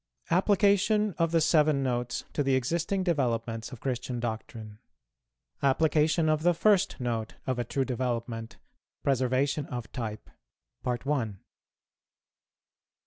APPLICATION OF THE SEVEN NOTES TO THE EXISTING DEVELOPMENTS OF CHRISTIAN DOCTRINE. APPLICATION OF THE FIRST NOTE OF A TRUE DEVELOPMENT. PRESERVATION OF TYPE.